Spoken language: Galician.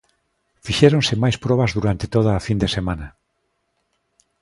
Fixéronse máis probas durante toda a fin de semana.